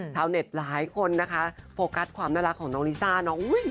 ชาวเน็ตหลายคนนะคะโฟกัสความน่ารักของน้องลิซ่าน้องอุ้ย